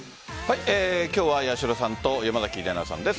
今日は八代さんと山崎怜奈さんです。